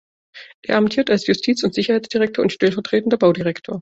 Er amtiert als Justiz- und Sicherheitsdirektor und stellvertretender Baudirektor.